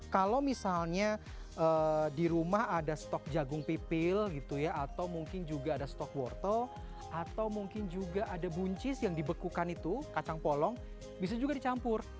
kalau misalnya di rumah ada stok jagung pipil gitu ya atau mungkin juga ada stok wortel atau mungkin juga ada buncis yang dibekukan itu kacang polong bisa juga dicampur